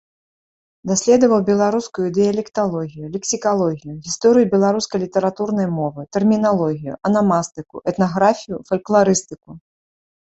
Даследаваў беларускую дыялекталогію, лексікалогію, гісторыю беларускай літаратурнай мовы, тэрміналогію, анамастыку, этнаграфію, фалькларыстыку.